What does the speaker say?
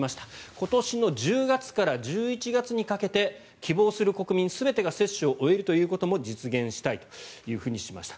今年の１０月から１１月にかけて希望する国民全てが接種を終えるということも実現したいとしました。